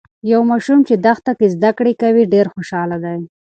یو ماشوم چې دښته کې زده کړې کوي، ډیر خوشاله دی.